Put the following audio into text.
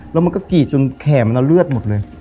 แล้วมันก็กรีดจนแขนมันเลือดหมดเลย